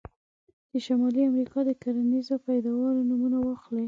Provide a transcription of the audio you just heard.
د شمالي امریکا د کرنیزو پیداوارو نومونه واخلئ.